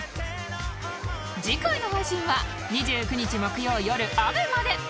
次回の配信は２９日木曜よる ＡＢＥＭＡ で